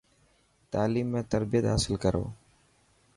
تعليم ۾ تربيت حاصل ڪرو.